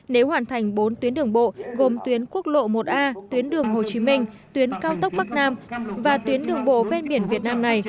nếu hoàn thành bốn tuyến đường bộ gồm tuyến quốc lộ một a tuyến đường hồ chí minh tuyến cao tốc bắc nam và tuyến đường bộ ven biển việt nam này